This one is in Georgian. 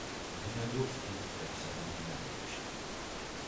ბინადრობს დიდ ტბებსა და მდინარეებში.